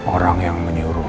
orang yang menyuruh